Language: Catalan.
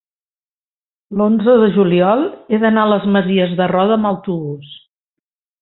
l'onze de juliol he d'anar a les Masies de Roda amb autobús.